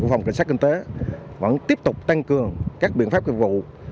phòng cảnh sát kinh tế vẫn tiếp tục tăng cường các biện pháp nghiệp vụ